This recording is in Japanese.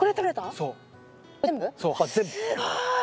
そう。